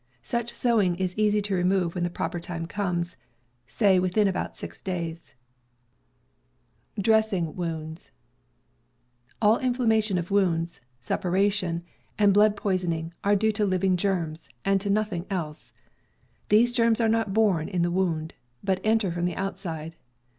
Such sewing is easy to remove when the proper time comes, say within about six days. All inflammation of wounds, suppuration, and blood poisoning, are due to living germs, and to nothing else. J. . These germs are not born in the wound, ^, but enter from the outside.